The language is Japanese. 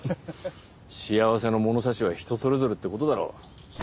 幸せの物差しは人それぞれって事だろ。